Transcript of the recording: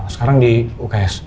sekarang di uks